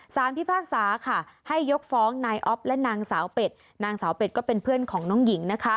พิพากษาค่ะให้ยกฟ้องนายอ๊อฟและนางสาวเป็ดนางสาวเป็ดก็เป็นเพื่อนของน้องหญิงนะคะ